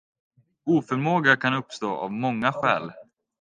Oförmåga kan uppstå av många skäl.